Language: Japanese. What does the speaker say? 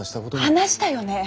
話したよね？